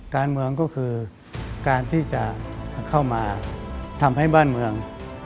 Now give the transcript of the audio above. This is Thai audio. การเมืองก็คือการที่จะเข้ามาทำให้บ้านเมือง